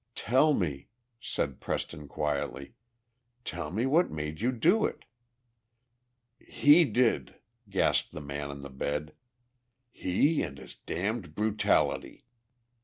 "Tell me," said Preston, quietly "tell me what made you do it." "He did!" gasped the man on the bed. "He and his damned brutality.